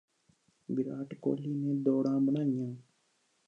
ਵਿਰਾਟ ਕੋਹਲੀ ਨੇ ਦੌੜਾਂ ਬਣਾਈਆਂ